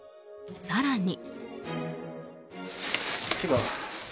更に。